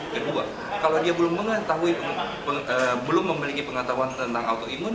kedua kalau dia belum memiliki pengetahuan tentang autoimun